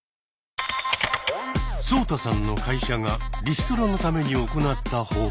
ソウタさんの会社がリストラのために行った方法。